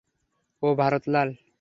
ওওও, Bharat Lal.